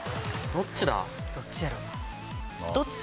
どっちだ？